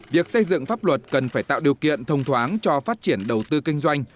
việc xây dựng pháp luật cần phải tạo điều kiện thông thoáng cho phát triển đầu tư kinh doanh